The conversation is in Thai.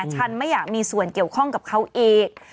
ฉันไม่อยากมีส่วนเกี่ยวข้องกับเขาอีก